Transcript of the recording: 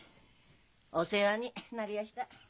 お世話になりやした。